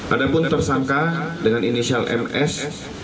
ada pun tersangka dengan inisial ms